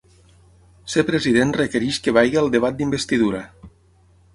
Ser president requereix que vagi al debat d’investidura.